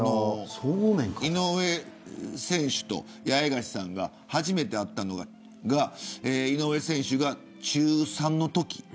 井上選手と、八重樫さんが初めて会ったのが井上選手が中３のとき。